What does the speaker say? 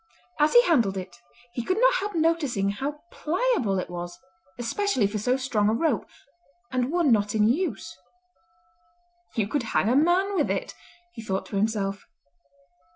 As he handled it he could not help noticing how pliable it was, especially for so strong a rope, and one not in use. "You could hang a man with it," he thought to himself.